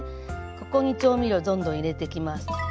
ここに調味料をどんどん入れていきます。